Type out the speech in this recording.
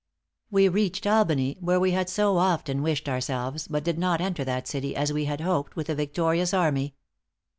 "We reached Albany, where we had so often wished ourselves; but did not enter that city, as we had hoped, with a victorious army.